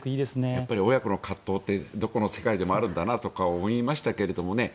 やっぱり親子の葛藤ってどこの世界でもあるんだなとか思いましたけどね。